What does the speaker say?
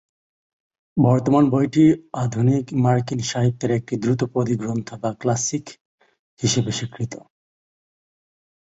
বর্তমানে বইটি আধুনিক মার্কিন সাহিত্যের একটি ধ্রুপদী গ্রন্থ বা "ক্লাসিক" হিসেবে স্বীকৃত।